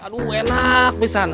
aduh enak pisan